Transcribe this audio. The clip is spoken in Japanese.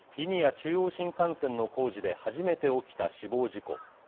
中央新幹線の工事で初めて起きた死亡事故。